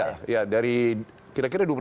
sistem ya dari kira kira dua per tiga dua per tiga